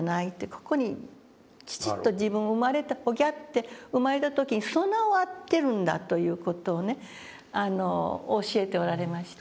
ここにきちっと自分が生まれたオギャッと生まれた時に備わってるんだという事をね教えておられました。